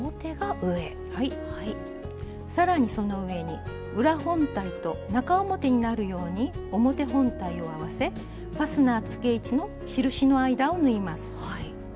さらにその上に裏本体と中表になるように表本体を合わせファスナーつけ位置の印の間を縫います。